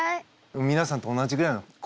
皆さんと同じぐらいの頃ですよ